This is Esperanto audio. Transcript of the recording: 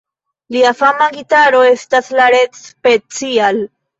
Lia fama gitaro estas la Red Special.